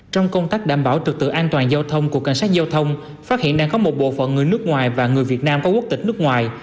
trong công tác đảm bảo trực tự an toàn giao thông của cảnh sát giao thông phát hiện đang có một bộ phận người nước ngoài và người việt nam có quốc tịch nước ngoài